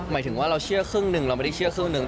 หมายถึงว่าเราเชื่อครึ่งหนึ่งเราไม่ได้เชื่อครึ่งหนึ่ง